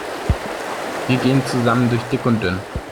Wir gehen zusammen durch dick und dünn.